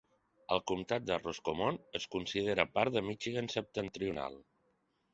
El comtat de Roscommon es considera part de Michigan septentrional.